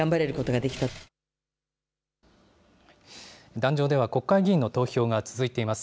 壇上では国会議員の投票が続いています。